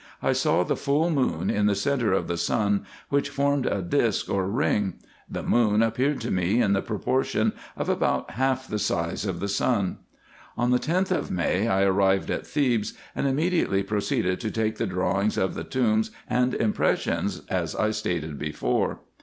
I saw the full moon in the centre of the sun, which formed a disc or ring ; the moon appeared to me in the proportion of about half the size of the sun. On the 10th of May I arrived at Thebes, and immediately pro ceeded to take the drawings of the tombs and impressions, as I stated before.